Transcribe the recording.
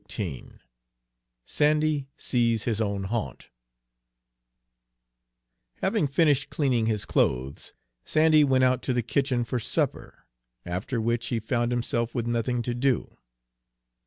XVIII SANDY SEES HIS OWN HA'NT Having finished cleaning his clothes, Sandy went out to the kitchen for supper, after which he found himself with nothing to do.